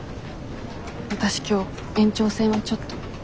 わたし今日延長戦はちょっと。